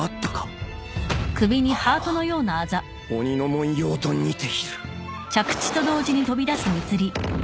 あれは鬼の紋様と似ている